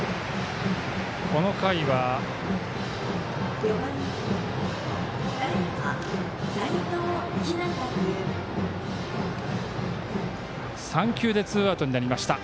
この回は３球でツーアウトになりました。